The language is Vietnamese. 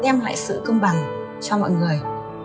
đem lại sự công bằng cho mọi người